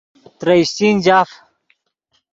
ترے اشچین جاف